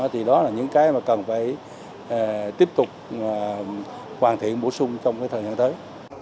thì đó là những cái mà cần phải tiếp tục hoàn thiện bổ sung trong thời gian tới